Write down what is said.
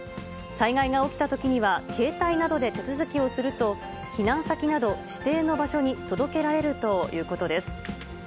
災害が起きたときには、携帯などで手続きをすると、避難先など指定の場所に届けられるということです。